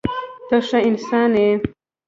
ته ښه انسان یې.